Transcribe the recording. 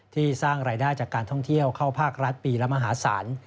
สร้างรายได้จากการท่องเที่ยวเข้าภาครัฐปีละมหาศาล